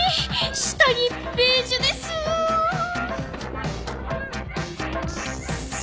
下着ベージュですぅせ